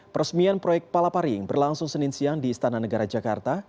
peresmian proyek palaparing berlangsung senin siang di istana negara jakarta